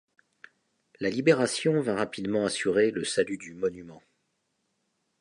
La Libération vint rapidement assurer le salut du monument.